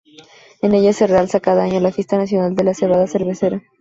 En ella se realiza cada año la Fiesta Nacional de la Cebada Cervecera.